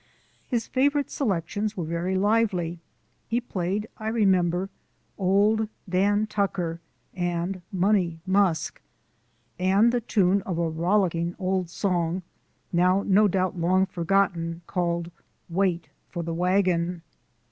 His favourite selections were very lively; he played, I remember, "Old Dan Tucker," and "Money Musk," and the tune of a rollicking old song, now no doubt long forgotten, called "Wait for the Wagon."